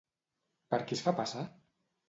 Per qui es fa passar?